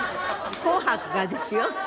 『紅白』がですよ。